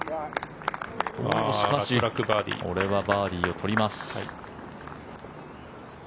しかしこれはバーディーを取ります。